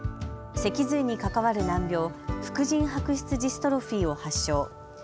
脊髄に関わる難病、副腎白質ジストロフィーを発症。